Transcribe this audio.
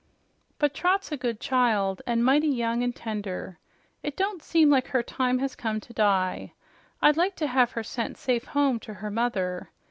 But Trot's a good child, an' mighty young an' tender. It don't seem like her time has come to die. I'd like to have her sent safe home to her mother.